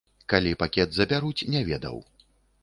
Калі пакет забяруць, не ведаў.